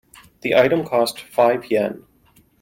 The item costs five Yen.